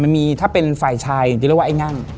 มันมีถ้าเป็นฝ่ายชายจะเรียกว่าไอ้งั่ง